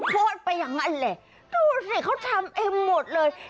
โพสต์ไปอย่างนั้นแหละดูสิเขาทำทั้งหมดเลย